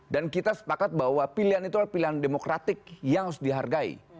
dan kita sepakat bahwa pilihan itu adalah pilihan demokratik yang harus dihargai